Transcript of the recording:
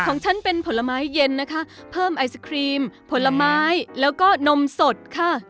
ของฉันเป็นผลไม้เย็นนะคะเพิ่มไอศครีมผลไม้แล้วก็นมสดค่ะ